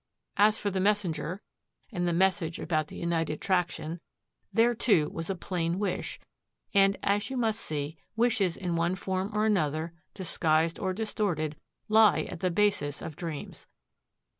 As for the messenger and the message about the United Traction, there, too, was a plain wish, and, as you must see, wishes in one form or another, disguised or distorted, lie at the basis of dreams.